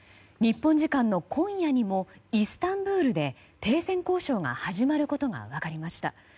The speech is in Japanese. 日本時間の今夜にもイスタンブールで停戦交渉が始まることが分かりました。